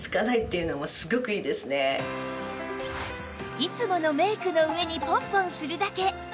いつものメイクの上にポンポンするだけ